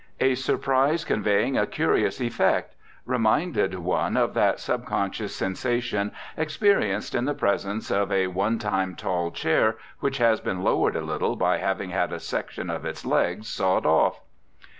A surprise conveying a curious effect, reminded one of that subconscious sensation experienced in the presence of a one time tall chair which has been lowered a little by having had a section of its legs sawed off.